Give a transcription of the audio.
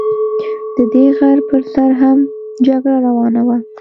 د دې غر پر سر هم جګړه روانه وه.